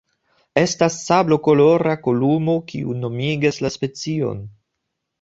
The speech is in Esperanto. Estas sablokolora kolumo, kiu nomigas la specion.